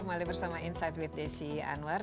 kembali bersama insight with desi anwar